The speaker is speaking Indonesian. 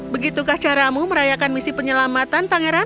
begitukah caramu merayakan misi penyelamatan pangeran